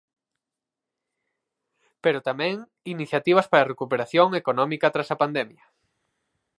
Pero tamén iniciativas para a recuperación económica tras a pandemia.